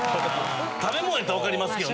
食べ物やったら分かりますけど。